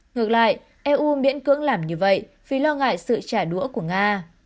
ngược lại eu miễn cưỡng làm như vậy vì lo ngại sự trả đũa của nga